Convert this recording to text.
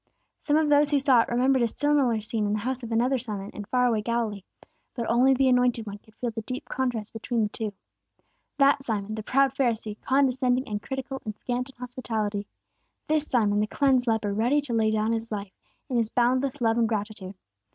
Some of those who saw it, remembered a similar scene in the house of another Simon, in far away Galilee; but only the Anointed One could feel the deep contrast between the two. That Simon, the proud Pharisee, condescending and critical and scant in hospitality; this Simon, the cleansed leper, ready to lay down his life, in his boundless love and gratitude.